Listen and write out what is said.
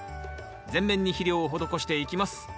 全面に肥料を施していきます。